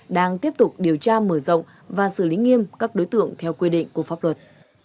đang tiếp tục điều tra mở rộng và xử lý nghiêm các đối tượng theo quy định của pháp luật